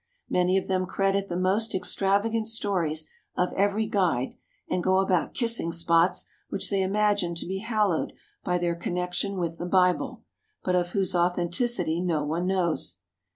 Many of them credit the most extravagant stories of every guide, and go about kissing spots which they imagine to be hal lowed by their connection with the Bible, but of whose authenticity no one knows.